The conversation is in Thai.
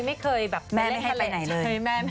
ไม่เคยแบบแม่ไม่ให้ไปไหนเลย